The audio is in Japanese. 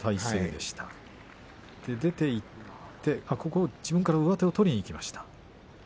そして出ていって自分から上手を取りにいきました。